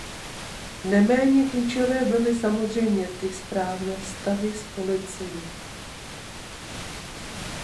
Neméně klíčové byly samozřejmě ty správné vztahy s policií.